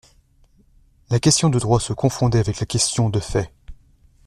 La question de droit se confondait avec la question de fait.